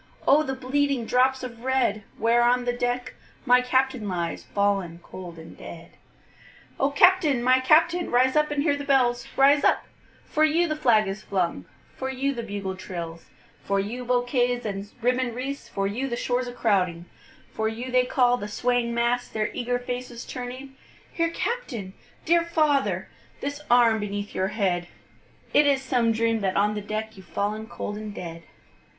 O the bleeding drops of red, Where on the deck my Captain lies, Fallen cold and dead. O Captain! my Captain! rise up and hear the bells; Rise up for you the flag is flung for you the bugle trills, For you bouquets and ribbon'd wreaths for you the shores a crowding, For you they call, the swaying mass, their eager faces turning; Here Captain! dear father! The arm beneath your head! It is some dream that on the deck, You've fallen cold and dead.